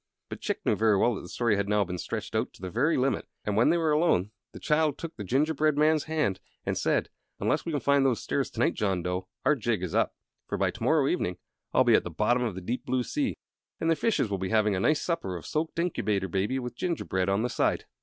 But Chick knew very well that the story had now been stretched out to the very limit, and when they were alone the child took the gingerbread man's hand and said: "Unless we can find those stairs to night, John Dough, our jig is up. For by to morrow evening I'll be at the bottom of the deep blue sea, and the fishes will be having a nice supper of soaked Incubator Baby with gingerbread on the side."